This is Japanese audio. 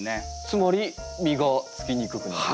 つまり実がつきにくくなる。